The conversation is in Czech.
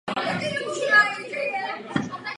Působí jako pedagog.